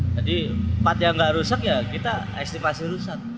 jadi part yang gak rusak ya kita estimasi rusak